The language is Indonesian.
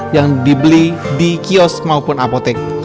yang dibeli di kios maupun apotek